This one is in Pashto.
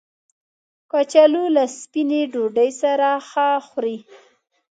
کچالو له سپینې ډوډۍ سره ښه خوري